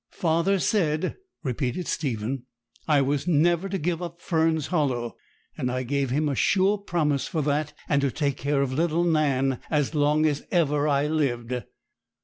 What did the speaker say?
'Father said,' repeated Stephen, 'I was never to give up Fern's Hollow; and I gave him a sure promise for that, and to take care of little Nan as long as ever I lived.'